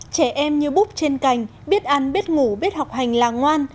trẻ em như búp trên cành biết ăn biết ngủ biết học hành là ngoan